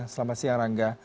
selamat siang rangga